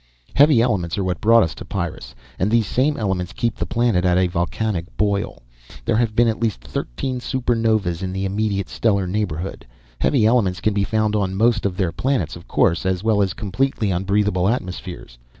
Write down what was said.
"Heavy elements are what brought us to Pyrrus and these same elements keep the planet at a volcanic boil. There have been at least thirteen super novas in the immediate stellar neighborhood. Heavy elements can be found on most of their planets of course as well as completely unbreathable atmospheres.